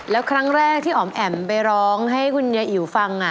แล้วครั้งแรกที่อ๋อมแอ๋มไปร้องให้คุณยายอิ๋วฟัง